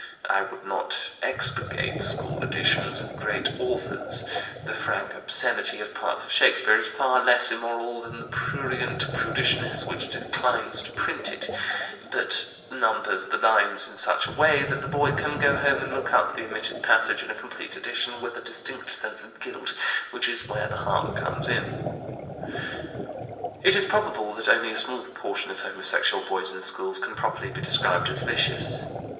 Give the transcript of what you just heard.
I would not 'expurgate' school editions of great authors; the frank obscenity of parts of Shakespeare is far less immoral than the prurient prudishness which declines to print it, but numbers the lines in such a way that the boy can go home and look up the omitted passage in a complete edition, with a distinct sense of guilt, which is where the harm comes in." It is probable that only a small proportion of homosexual boys in schools can properly be described as "vicious."